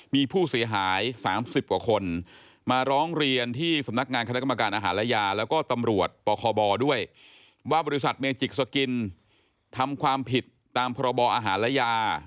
มีผู้เสียหาย๓๐กว่าคนมาร้องเรียนที่สำนักงานคณะกรรมการอาหารและยาแล้วก็ตำรวจปคบด้วยว่าบริษัทเมจิกสกินทำความผิดตามพรบอาหารและยา